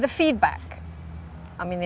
tapi apa pendapat anda